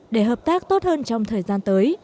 để hợp tác tốt hơn trong thời gian tới